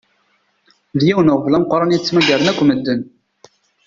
D yiwen uɣbel ameqqran i d-ttmagaren akk meden.